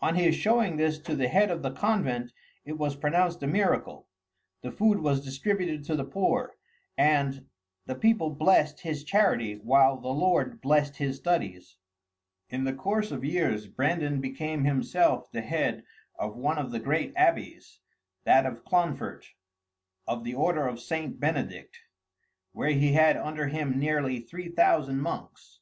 On his showing this to the head of the convent, it was pronounced a miracle; the food was distributed to the poor, and "the people blessed his charity while the Lord blessed his studies." In the course of years, Brandan became himself the head of one of the great abbeys, that of Clonfert, of the order of St. Benedict, where he had under him nearly three thousand monks.